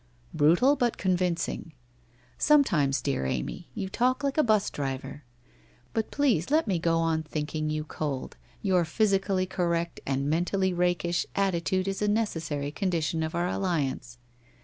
' Brutal, but convincing. Sometimes, dear Amy, you talk like a 'bus driver. But please let me go on thinking you cold, your physically correct, and mentally rakish, atti tude is a necessary condition of our alliance.